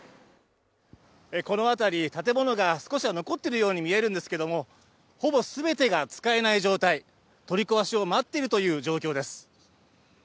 このあたり、建物が少し残ってるように見えるんですけども、ほぼ全てが使えない状態取り壊しを待っているという状況です。